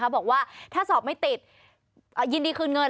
บอกว่าถ้าสอบไม่ติดยินดีคืนเงิน